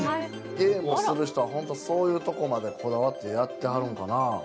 ゲームをする人はそういうところまでこだわってやってはるのかな。